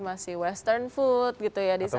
masih western food gitu ya di sana